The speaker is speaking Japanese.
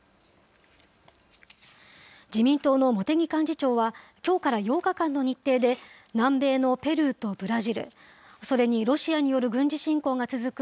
自民党の茂木幹事長はきょうから８日間の日程で、南米のペルーとブラジル、それにロシアによる軍事侵攻が続く